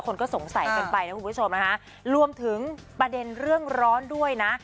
คนก็สงสัยกันไปนะคุณผู้ชมนะคะรวมถึงประเด็นเรื่องร้อนด้วยนะ